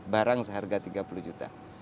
barang seharga tiga puluh juta